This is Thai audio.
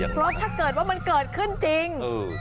เพราะถ้าเกิดว่ามันเกิดขึ้นจริง